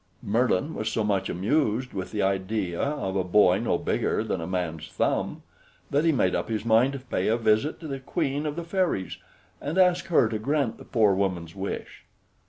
Merlin was so much amused with the idea of a boy no bigger than a man's thumb, that he made up his mind to pay a visit to the queen of the fairies, and ask her to grant the poor woman's wish.